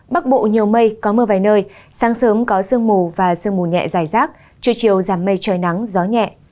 bắc bộ nhiều mây có mưa vài nơi sáng sớm có sương mù và sương mù nhẹ dài rác trưa chiều giảm mây trời nắng gió nhẹ